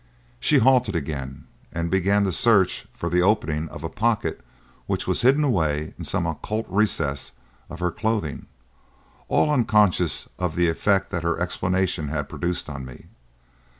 She halted again, and began to search for the opening of a pocket which was hidden away in some occult recess of her clothing, all unconscious of the effect that her explanation had produced on me.